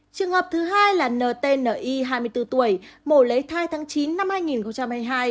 trường hợp thứ hai là nti hai mươi bốn tuổi mổ lấy thai tháng chín năm hai nghìn hai mươi hai